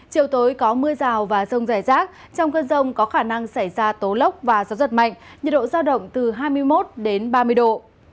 chiều tối có mưa rào và rông rải rác trong cơn rông có khả năng xảy ra tố lốc và gió giật mạnh nhiệt độ giao động từ hai mươi một đến ba mươi độ